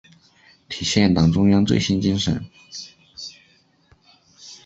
体现党中央最新精神